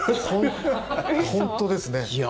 本当ですね。